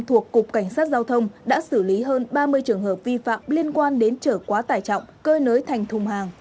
thuộc cục cảnh sát giao thông đã xử lý hơn ba mươi trường hợp vi phạm liên quan đến trở quá tải trọng cơi nới thành thùng hàng